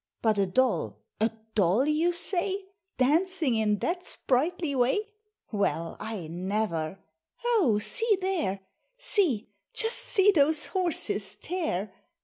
But a doll a DOLL you say; Dancing in that sprightly way? Well I never! Oh, see there, See just see those horses tear!